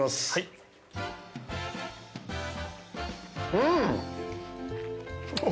うん！